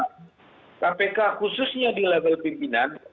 kpk khususnya di label pimpinan